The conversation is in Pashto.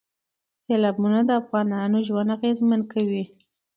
سیلابونه د افغانانو ژوند اغېزمن کوي.